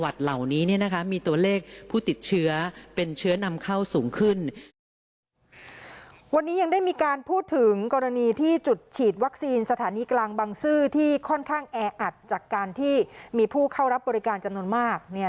วันนี้ยังได้มีการพูดถึงกรณีที่จุดฉีดวัคซีนสถานีกลางบังซื้อที่ค่อนข้างแออัดจากการที่มีผู้เข้ารับบริการจำนวนมากเนี่ย